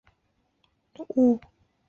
鲫鱼草是禾本科画眉草属的植物。